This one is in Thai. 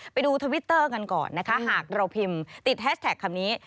ไปดูทวิตเตอร์กันก่อนนะคะหากเราพิมพ์ติดแฮชแท็กคำนี้